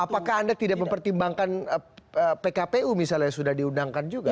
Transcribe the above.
apakah anda tidak mempertimbangkan pkpu misalnya sudah diundangkan juga